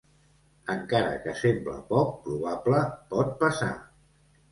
Encara que sembla poc probable, pot passar.